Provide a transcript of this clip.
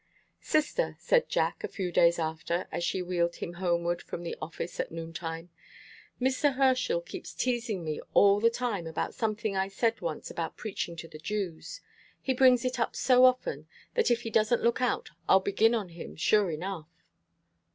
"Sister," said Jack, a few days after, as she wheeled him homeward from the office at noon time, "Mr. Herschel keeps teasing me all the time about something I said once about preaching to the Jews. He brings it up so often, that if he doesn't look out I'll begin on him sure enough."